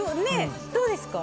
どうですか？